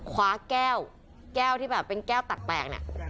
คว้าแก้วแก้วที่แบบเป็นแก้วตัดแตกเนี่ย